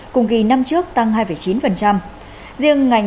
cùng kỳ năm trước tăng hai chín